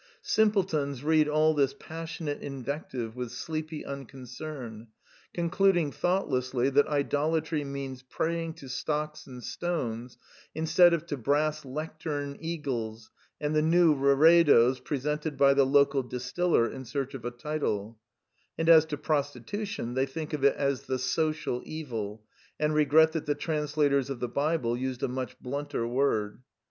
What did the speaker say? Simpletons read all this passion ate invective with sleepy unconcern, concluding thoughtlessly that idolatry means praying to stocks and stones instead of to brass lectern eagles and the new reredos presented by the local dis tiller in search of a title; and as to prostitution, they think of it as '* the social evil," and regret that the translators of the Bible used a much blunter word.